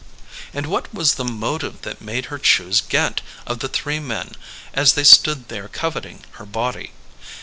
And what was the motive that made her choose Ghent of the three men as they stood there coveting her body?